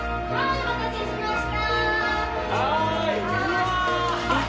お待たせしました。